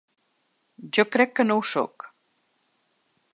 Jo crec que no ho sóc.